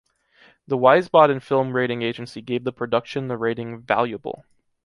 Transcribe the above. The Wiesbaden film rating agency gave the production the rating “”valuable.